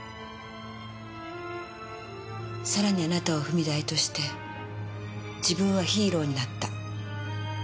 さらにあなたを踏み台として自分はヒーローになった。